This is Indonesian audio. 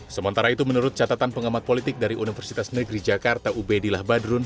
sementara itu menurut catatan pengamat politik dari universitas negeri jakarta ubedillah badrun